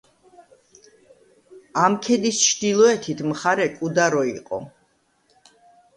ამ ქედის ჩრდილოეთით მხარე კუდარო იყო.